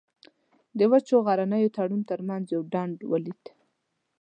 د وچو غرنیو تړو تر منځ یو ډنډ ولید.